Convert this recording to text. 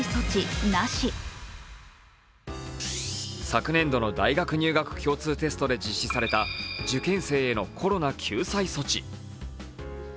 昨年度の大学入学共通テストで実施された受験生へのコロナ救済措置。